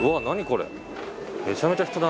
これ。